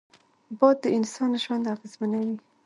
باد د انسان ژوند اغېزمنوي